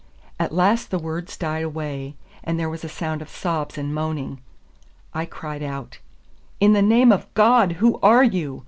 At last the words died away, and there was a sound of sobs and moaning. I cried out, "In the name of God, who are you?"